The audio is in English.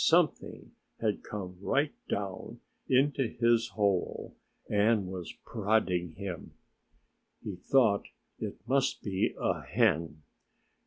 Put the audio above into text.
Something had come right down into his hole and was prodding him. He thought it must be a hen.